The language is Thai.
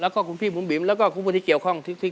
โจทย์มาเลยครับ